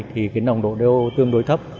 thì cái nồng độ do tương đối thấp